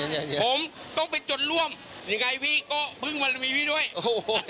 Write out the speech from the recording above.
ด้วยพี่โอเคผมต้องไปจดร่วมยังไงพี่ก็พึ่งวันละมีพี่ด้วยโอ้โห